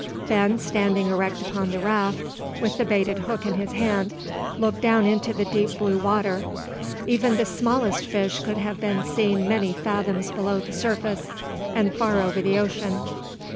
Ben standing erect upon the raft, with the baited hook in his hand, looked down into the deep blue water. Even the smallest fish could have been seen many fathoms below the surface, and far over the ocean.